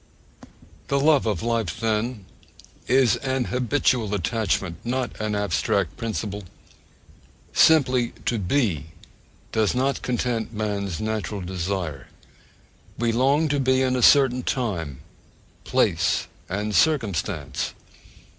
The love of life, then, is an habitual attachment, not an abstract principle. Simply to be does not 'content man's natural desire': we long to be in a certain time, place, and circumstance.